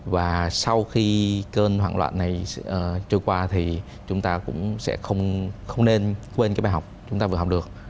và sau khi cơn hoảng loạn này trôi qua thì chúng ta cũng sẽ không nên quên cái bài học chúng ta vừa học được